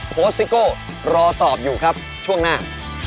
โค้ชซิโก้รอตอบอยู่ครับช่วงหน้า